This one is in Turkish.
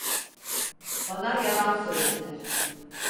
Bana yalan söylediler.